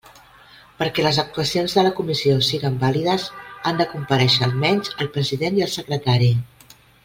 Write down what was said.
Perquè les actuacions de la comissió siguen vàlides, han de comparèixer, almenys, el president i el secretari.